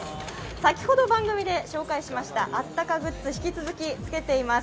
先ほど番組で紹介しましたあったかグッズ、引き続きつけています。